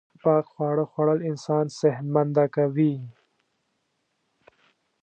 پاک خواړه خوړل انسان صحت منده کوی